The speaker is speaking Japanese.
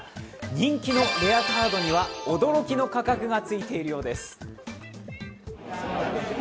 人気のレアカードには驚きの価格がついているようです。